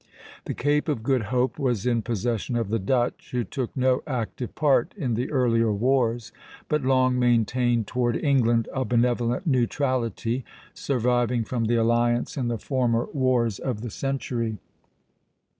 The Cape of Good Hope was in possession of the Dutch, who took no active part in the earlier wars, but long maintained toward England a benevolent neutrality, surviving from the alliance in the former wars of the century.